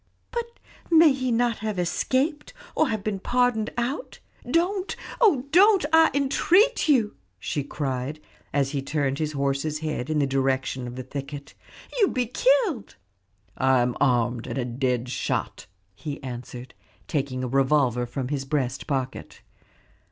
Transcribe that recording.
"But may he not have escaped, or have been pardoned out? Don't, oh don't, I entreat you!" she cried, as he turned his horse's head in the direction of the thicket. "You will be killed." "I am armed, and a dead shot," he answered, taking a revolver from his breast pocket.